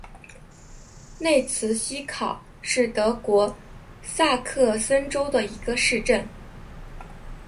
内茨希考是德国萨克森州的一个市镇。